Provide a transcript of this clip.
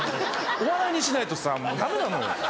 お笑いにしないとさもうダメなのよ。